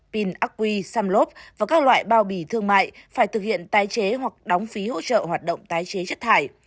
pin acqui xăm lốp và các loại bao bì thương mại phải thực hiện tái chế hoặc đóng phí hỗ trợ hoạt động tái chế chất thải